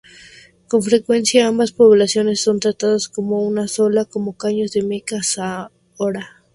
Con frecuencia, ambas poblaciones son tratadas como una sola, como Caños de Meca-Zahora.